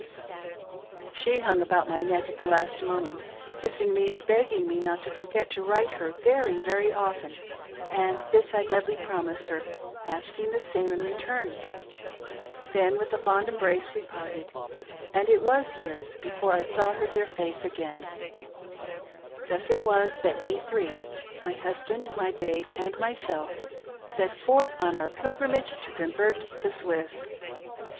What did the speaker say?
tI2 "WE THREE SET FORTH.' She hung about my neck at the last moment, kissing me and begging me not to forget to write to her very, very often, and this I gladly promised her, asking the same in return. Then with a fond embrace we parted, and it was years before I saw her dear face again. Thus it was that we three — my husband, my babe, and myself — set forth on our pilgrimage to convert the Swiss.